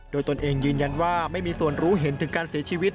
โดยตนเองยืนยันว่าไม่มีส่วนรู้เห็นถึงการเสียชีวิต